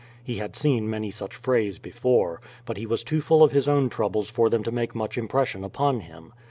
He had seen many such frays before, but he was too full of his own troubles for them to make much impression upon him.